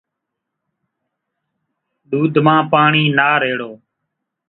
ۮوڌ مان پاڻِي نا ريڙو۔